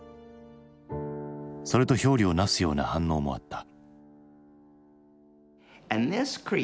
それと表裏をなすような反応もあった。